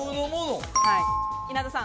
稲田さん。